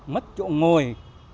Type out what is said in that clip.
mất chỗ ngồi